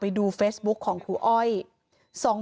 มีเรื่องอะไรมาคุยกันรับได้ทุกอย่าง